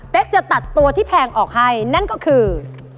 เป็นจะตัดตัวที่แพงออกให้นั่นก็คือ